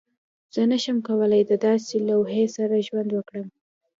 زه نشم کولی د داسې لوحې سره ژوند وکړم